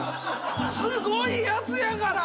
すごいやつやから！